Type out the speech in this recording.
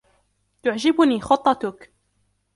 تعجبني خطتك.